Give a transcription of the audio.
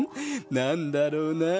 なんだろうなあ？